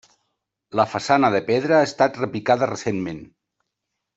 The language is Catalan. La façana de pedra ha estat repicada recentment.